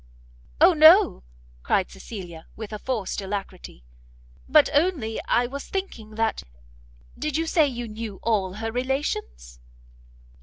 "O no!" cried Cecilia, with a forced alacrity, "but only I was thinking that did you say you knew all her relations?"